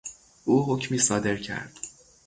او حکمی صادر کرد.